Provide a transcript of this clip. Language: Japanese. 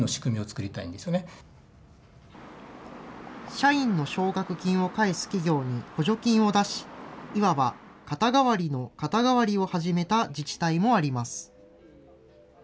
社員の奨学金を返す企業に補助金を出し、いわば肩代わりの肩代わりを始めた自治体もあります。